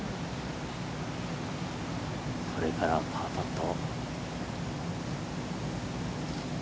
これからパーパット。